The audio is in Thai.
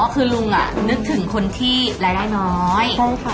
คือลุงนึกถึงคนที่รายได้น้อย